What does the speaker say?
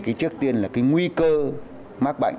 thì trước tiên là cái nguy cơ mắc bệnh